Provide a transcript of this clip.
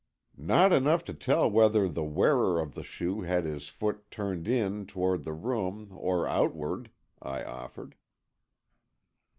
"Not enough to tell whether the wearer of the shoe had his foot turned in toward the room or outward," I offered.